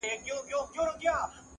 o اغزى د گل د رويه اوبېږي٫